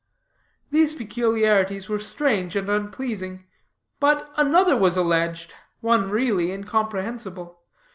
These peculiarities were strange and unpleasing; but another was alleged, one really incomprehensible.